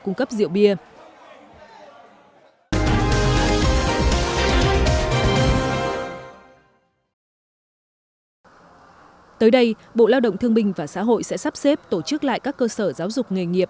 những thông tin và xã hội sẽ sắp xếp tổ chức lại các cơ sở giáo dục nghề nghiệp